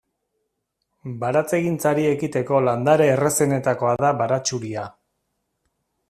Baratzegintzari ekiteko landare errazenetakoa da baratxuria.